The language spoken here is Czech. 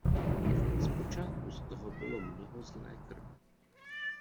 Z počátku z toho bylo mnoho zlé krve.